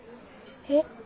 えっ？